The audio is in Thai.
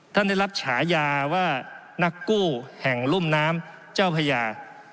ท่านได้รับฉายาว่านักกู้แห่งรุ่มน้ำเจ้าพญา